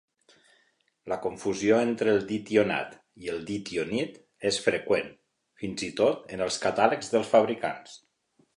La confusió entre el ditionat i el ditionit és freqüent, fins i tot en els catàlegs dels fabricants.